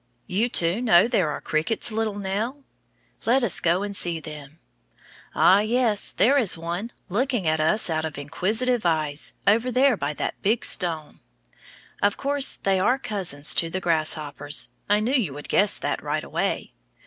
You too, know there are crickets, little Nell? Let us go and see them. Ah, yes, there is one, looking at us out of inquisitive eyes, over there by that big stone. Of course they are cousins to the grasshoppers. I knew you would guess that right away.